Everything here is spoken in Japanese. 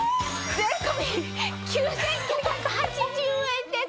税込９９８０円です！